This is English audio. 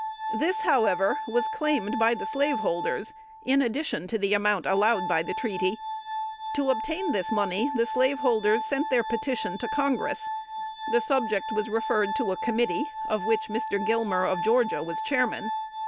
This, however, was claimed by the slaveholders, in addition to the amount allowed by the treaty. To obtain this money the slaveholders sent their petition to Congress. The subject was referred to a committee, of which Mr. Gilmer, of Georgia, was Chairman.